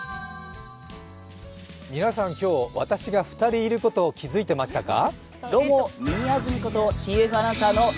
皆さん、今日、私が２人いることを気付いてましたか？